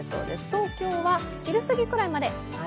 東京は昼過ぎくらいまで○。